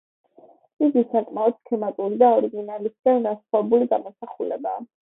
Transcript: იგი საკმაოდ სქემატური და ორიგინალისგან განსხვავებული გამოსახულებაა.